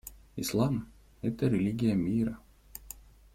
Ислам — это религия мира.